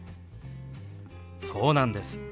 そうなんです。